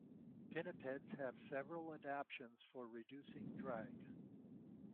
Pinnipeds have several adaptions for reducing drag.